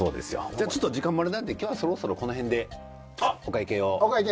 じゃあちょっと時間もあれなんで今日はそろそろこの辺でお会計をお願いします。